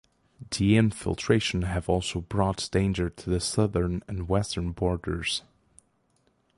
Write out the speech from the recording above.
The infiltration have also brought danger to the southern and western borders.